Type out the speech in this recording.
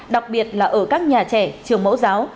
đặc biệt là ở các nhà trẻ trường mẫu giáo